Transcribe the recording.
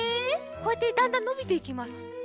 こうやってだんだんのびていきます。